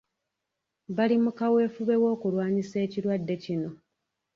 Bali mu kaweefube ow'okulwanyisa ekirwadde kino.